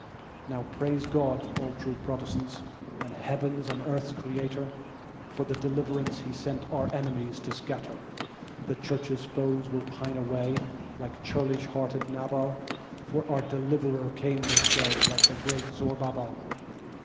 Now, praise God, all true Protestants, and heaven's and earth's Creator, For the deliverance he sent our enemies to scatter. The Church's foes will pine away, like churlish hearted Nabal, For our deliverer came this day like the great Zorobabal.